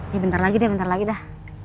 ya bentar lagi deh bentar lagi dah